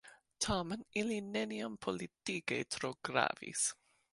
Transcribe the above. Tamen ili neniam politike tro gravis.